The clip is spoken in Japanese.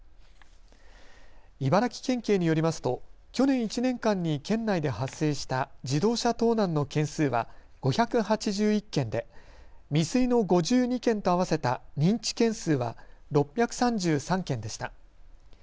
茨城県警によりますと去年１年間に県内で発生した自動車盗難の件数は５８１件で未遂の５２件と合わせた認知件数は６３３件でした。